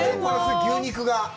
牛肉が。